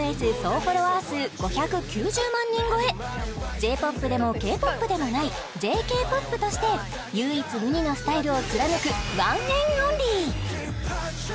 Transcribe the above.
Ｊ−ＰＯＰでもＫ−ＰＯＰでもないＪＫ−ＰＯＰとして唯一無二のスタイルを貫くＯＮＥＮ’ＯＮＬＹ